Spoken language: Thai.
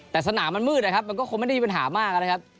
แต่สนามมันมืดนะครับมันก็คงไม่ได้มีปัญหามากนะครับ